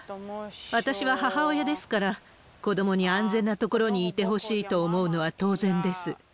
私は母親ですから、子どもに安全な所にいてほしいと思うのは当然です。